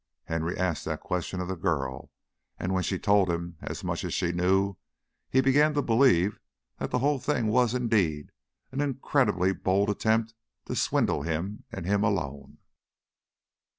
Henry asked that question of the girl, and, when she told him as much as she knew, he began to believe that the whole thing was, indeed, an incredibly bold attempt to swindle him, and him alone.